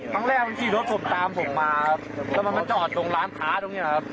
ครั้งแรกมันขี่รถผมตามผมมาครับแล้วมันมาจอดตรงร้านค้าตรงเนี้ยครับ